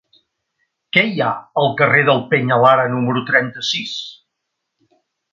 Què hi ha al carrer del Peñalara número trenta-sis?